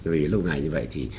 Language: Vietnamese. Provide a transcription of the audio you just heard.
vì lâu ngày như vậy thì